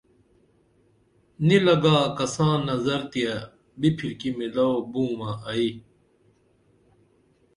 نی لگا کساں نظر تیہ بِپھرکی میلو بومہ ائی